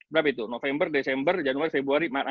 berapa itu november desember januari februari maret